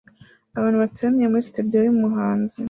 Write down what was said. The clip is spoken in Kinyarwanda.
Abantu bateraniye muri studio yumuhanzi